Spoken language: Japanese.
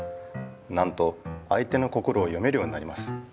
なんとあい手の心を読めるようになります。